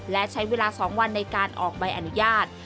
และใช้เวลา๒วันในการออกใบอนุญาต